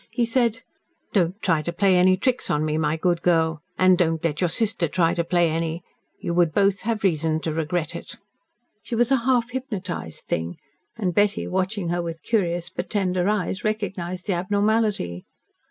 He said, 'Don't try to play any tricks on me, my good girl and don't let your sister try to play any. You would both have reason to regret it.'" She was a half hypnotised thing, and Betty, watching her with curious but tender eyes, recognised the abnormality.